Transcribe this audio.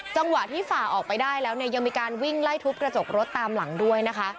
จังหวะที่ฝ่าออกไปได้แล้วเนี่ยยังมีการวิ่งไล่ทุบกระจกรถตามหลังด้วยนะคะ